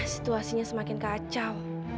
situasinya semakin kacau